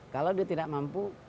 kalau dia tidak mampu